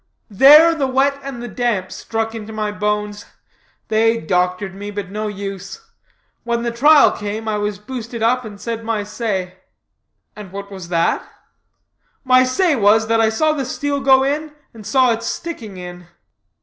There the wet and the damp struck into my bones. They doctored me, but no use. When the trial came, I was boosted up and said my say." "And what was that?" "My say was that I saw the steel go in, and saw it sticking in."